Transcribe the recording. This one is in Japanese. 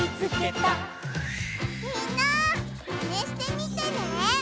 みんなマネしてみてね！